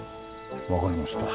分かりました。